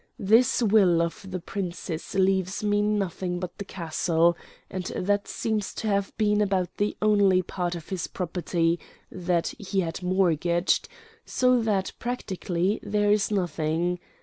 This will of the Prince's leaves me nothing but the castle, and that seems to have been about the only part of his property that he had mortgaged; so that practically there is nothing.